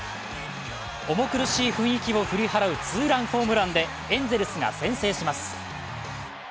重苦しい雰囲気を振り払う先制ツーランホームランでエンゼルスが先制します。